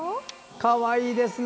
かわいいですね！